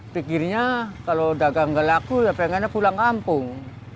pikirnya kalau dagang nggak laku ya pengennya pulang kampung